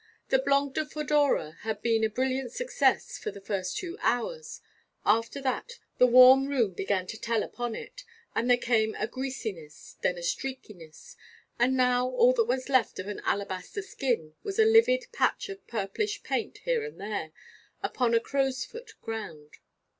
The Blanc de Fedora had been a brilliant success for the first two hours: after that the warm room began to tell upon it, and there came a greasiness, then a streakiness, and now all that was left of an alabaster skin was a livid patch of purplish paint here and there, upon a crow's foot ground.